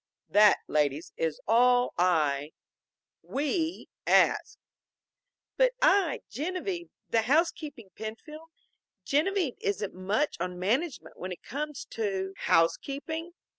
That, ladies, is all I we ask." "But I Genevieve the housekeeping, Penfield. Genevieve isn't much on management when it comes to " "Housekeeping!